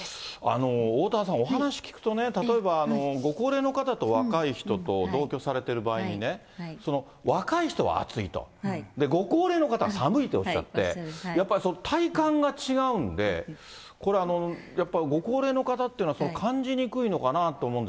おおたわさん、お話聞くとね、例えばご高齢の方と若い人と同居されている場合にね、若い人は暑いと、ご高齢の方は寒いとおっしゃって、やっぱり体感が違うんで、これ、やっぱりご高齢の方っていうのは、感じにくいのかなと思う